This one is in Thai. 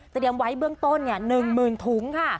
เตรียมไว้เบื้องต้น๑๐๐๐ถุงค่ะ